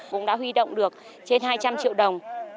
cũng đã huy động được trên hai trăm linh triệu đồng